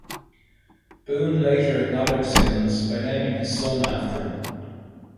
Boon later acknowledged Simmons by naming his son after him.